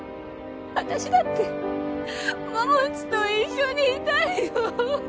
私だって桃地と一緒にいたいよ！